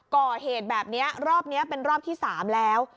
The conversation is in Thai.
ก่อเหตุแบบนี้รอบนี้เป็นรอบที่๓แล้ว